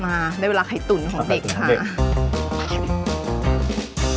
มาได้เวลาไข่ตุ๋นของเด็กค่ะ